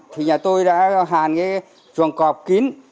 thì nhà tôi đã hàn cái chuồng cọp kín